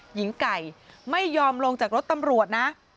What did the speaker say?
หญิงไก่ไม่ยอมลงจากรถตำรวจนะ